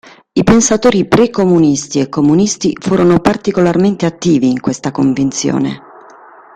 I pensatori pre-comunisti e comunisti furono particolarmente attivi in questa convinzione.